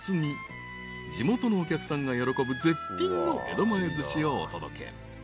［地元のお客さんが喜ぶ絶品の江戸前ずしをお届け］